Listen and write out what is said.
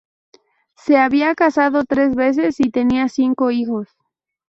Se había casado tres veces y tenía cinco hijos.